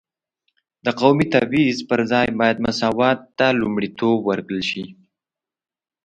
د قومي تبعیض پر ځای باید مساوات ته لومړیتوب ورکړل شي.